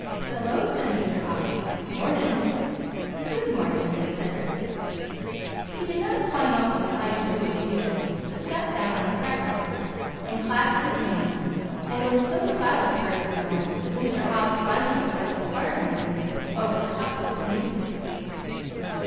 "Hello!" said Mr. Hobbs. "Mornin'!" "Good morning," said Cedric. He did not climb up on the high stool as usual, but sat down on a cracker box and clasped his knee, and was so silent for a few moments that Mr. Hobbs finally looked up inquiringly over the top of his newspaper.